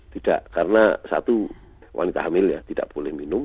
tidak karena satu wanita hamil ya tidak boleh minum